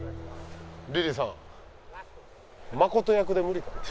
リリーさん真琴役で無理かな？